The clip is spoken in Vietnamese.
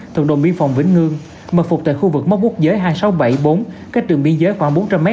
thuộc đồn biên phòng vĩnh ngươn mật phục tại khu vực mốc quốc giới hai nghìn sáu trăm bảy mươi bốn cách đường biên giới khoảng bốn trăm linh m